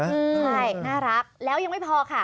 ใช่น่ารักแล้วยังไม่พอค่ะ